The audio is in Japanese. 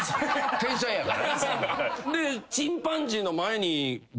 天才やから。